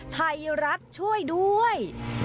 ไทยรัฐช่วยด้วย